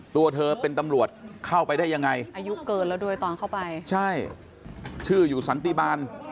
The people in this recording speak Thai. ตัวเธอเป็นตำรวจเข้าไปได้ยังไงอายุเกินแล้วด้วยตอนเข้าไปใช่ชื่ออยู่สันติบาล